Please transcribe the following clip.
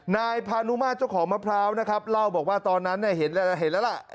นายพานุมาตรเจ้าของมะพร้าวนะครับเล่าบอกว่าตอนนั้นเห็นแล้วล่ะ